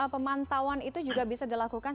pemantauan itu juga bisa dilakukan